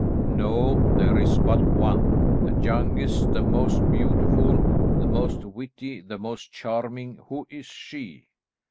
"No, there is but one, the youngest, the most beautiful, the most witty, the most charming. Who is she?"